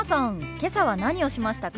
今朝は何をしましたか？